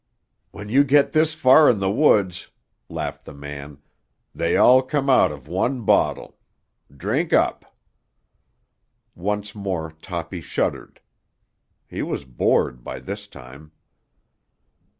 "When you get this far in the woods," laughed the man, "they all come out of one bottle. Drink up." Once more Toppy shuddered. He was bored by this time.